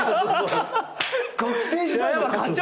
学生時代の課長。